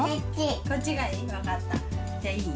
こっちがいい？